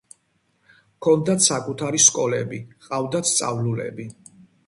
ჰქონდათ საკუთარი სკოლები, ჰყავდათ სწავლულები.